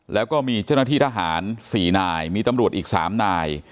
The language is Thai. แล้วก็มีเจ้าหน้าที่ทหาร๔นายมีตำรวจอีก๓นาย